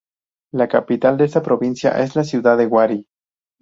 La Capital de esta provincia es la ciudad de Huari.